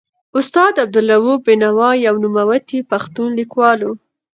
استاد عبدالروف بینوا یو نوموتی پښتون لیکوال و.